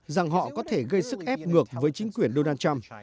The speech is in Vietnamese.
rằng họ có thể gây sức ép ngược với chính quyền donald trump